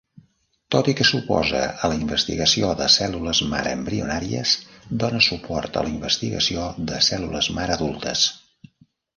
Tot i que s'oposa a la investigació de cèl·lules mare embrionàries, dona suport a la investigació de cèl·lules mare adultes.